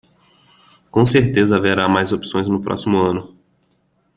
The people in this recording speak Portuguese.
Com certeza haverá mais opções no próximo ano.